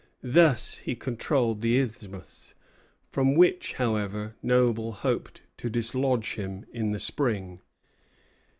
Thus he controlled the isthmus, from which, however, Noble hoped to dislodge him in the spring.